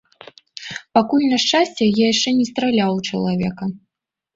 Пакуль, на шчасце, я яшчэ не страляў у чалавека.